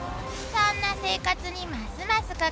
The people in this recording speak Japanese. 「そんな生活にますます」